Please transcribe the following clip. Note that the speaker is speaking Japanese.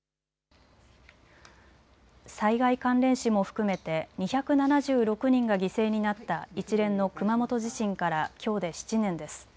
災害関連死も含めて２７６人が犠牲になった一連の熊本地震からきょうで７年です。